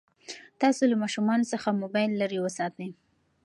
تاسو له ماشومانو څخه موبایل لرې وساتئ.